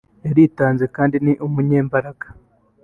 yaritanze kandi ni umunyembaraga